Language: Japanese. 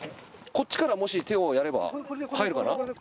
こっちからもし手をやれば入るかな？